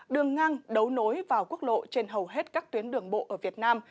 đường ngang đấu nối vào quốc lộ trên hầu hết các tuyến đường bộ ở việt nam